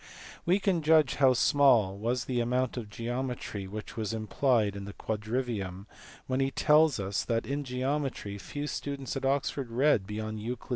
We can judge how small was the amount of geometry which was implied in the quadrivium when he tells us that in geometry few students at Oxford read beyond Euc. i.